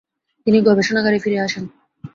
তিনি গবেষণাগারে ফিরে আসেন।